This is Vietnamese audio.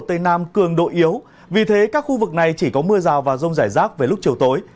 tây nam cường độ yếu vì thế các khu vực này chỉ có mưa rào và rông rải rác về lúc chiều tối